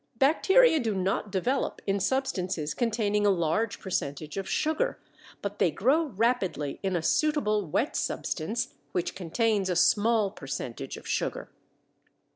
Bacteria do not develop in substances containing a large percentage of sugar, but they grow rapidly in a suitable wet substance which contains a small percentage of sugar.